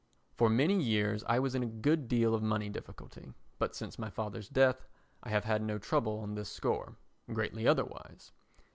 For many years I was in a good deal of money difficulty, but since my father's death I have had no trouble on this score—greatly otherwise.